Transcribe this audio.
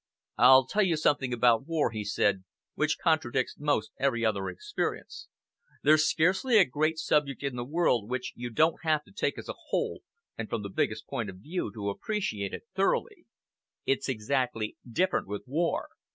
"I'll tell you something about war," he said, "which contradicts most every other experience. There's scarcely a great subject in the world which you don't have to take as a whole, and from the biggest point of view, to appreciate it thoroughly. It's exactly different with war.